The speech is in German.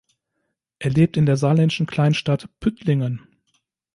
Er lebt in der saarländischen Kleinstadt Püttlingen.